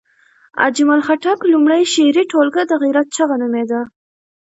اجمل خټک لومړۍ شعري ټولګه د غیرت چغه نومېده.